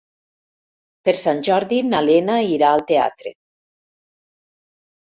Per Sant Jordi na Lena irà al teatre.